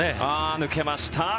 抜けました。